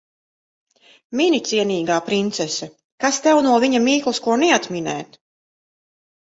Mini, cienīgā princese. Kas tev no viņa mīklas ko neatminēt.